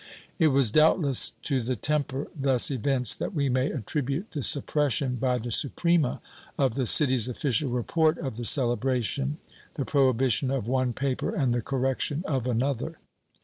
It was doubtless to the temper thus evinced that we may attribute the suppression by the Suprema of the city's official report of the celebration, the prohibition of one paper and the correction of another.